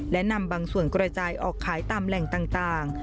และนำบางส่วนกระจายออกขายตามแหล่งต่าง